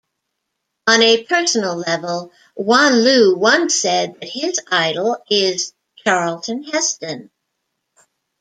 On a personal level, Wanloo once said that his idol is Charlton Heston.